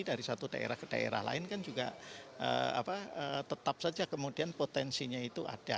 dari satu daerah ke daerah lain kan juga tetap saja kemudian potensinya itu ada